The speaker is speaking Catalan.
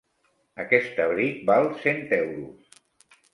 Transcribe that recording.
Aquest abric val cent euros.